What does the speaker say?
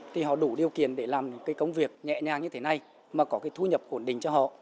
thì họ đủ điều kiện để làm công việc nhẹ nhàng như thế này mà có thu nhập ổn định cho họ